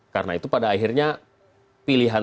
karena itu pada akhirnya pilihan tersebut